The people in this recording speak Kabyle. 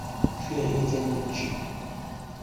Kfiɣ yakan učči.